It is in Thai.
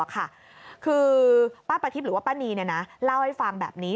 คือป้าประทิพย์หรือว่าป้านีเล่าให้ฟังแบบนี้